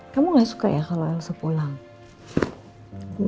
kamu gak suka ya kalau elsa pulang